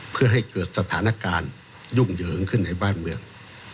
เพื่อให้เกิดสถานการณ์ยุ่งเหยิงขึ้นในบ้านเมือง